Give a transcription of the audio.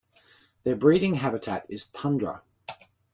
Their breeding habitat is tundra.